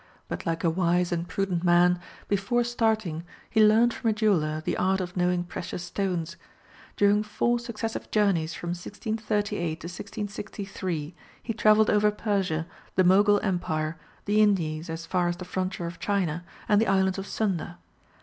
But like a wise and prudent man, before starting he learnt from a jeweller the art of knowing precious stones. During four successive journeys from 1638 to 1663, he travelled over Persia, the Mogul Empire, the Indies as far as the frontier of China, and the Islands of Sunda.